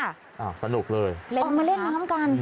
อ้าวสนุกเลยเล่นกันค่ะอ๋อมาเล่นน้ำกัน